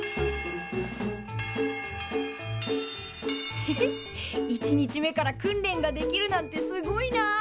ヘヘッ１日目から訓練ができるなんてすごいな！